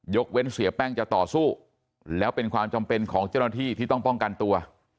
เว้นเสียแป้งจะต่อสู้แล้วเป็นความจำเป็นของเจ้าหน้าที่ที่ต้องป้องกันตัว